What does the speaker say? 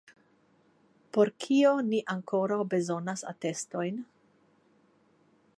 Por kio ni ankoraŭ bezonas atestojn?